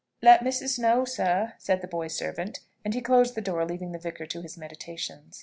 "Let missis know, sir," said the boy servant; and he closed the door, leaving the vicar to his meditations.